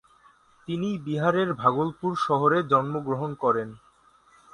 তিনি বিহারের ভাগলপুর শহরে জন্ম গ্রহণ করেন।